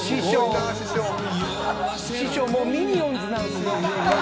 師匠もうミニオンズなんすよ。